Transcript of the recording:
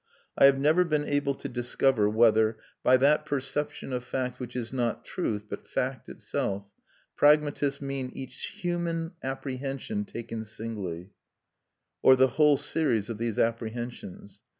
I have never been able to discover whether, by that perception of fact which is not "truth" but fact itself, pragmatists meant each human apprehension taken singly, or the whole series of these apprehensions.